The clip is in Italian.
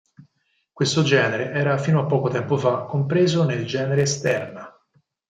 Questo genere era fino a poco tempo fa compreso nel genere "Sterna".